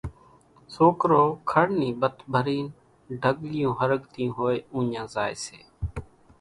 سوڪرو کڙ نِي ٻٿ ڀرين ڍڳليون ۿرڳتيون ھوئي اُوڃان زائي سي